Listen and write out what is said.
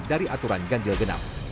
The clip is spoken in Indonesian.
dari aturan ganjil genap